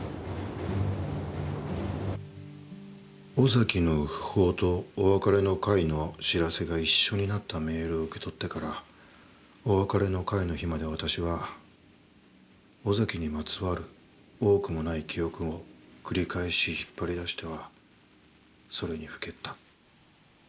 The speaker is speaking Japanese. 「尾崎の訃報とお別れの会の知らせが一緒になったメールを受け取ってからお別れの会の日まで私は尾崎にまつわる多くもない記憶を繰り返し引っ張り出してはそれに耽った。